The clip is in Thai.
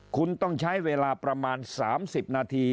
คุณต้องใช้เวลาประมาณ๓๐นาที